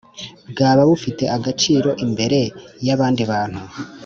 bwaba bufite agaciro imbere y abandi bantu